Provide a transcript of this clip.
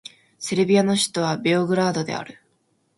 セルビアの首都はベオグラードである